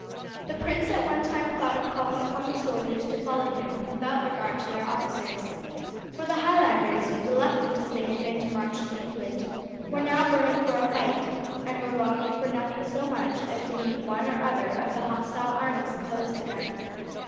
The prince at one time thought of calling upon the soldiers to follow him without regard to their officers; for the Highlanders, reluctant as they had been to march into England, were now burning for a fight, and were longing for nothing so much as to meet one or other of the hostile armies opposed to them.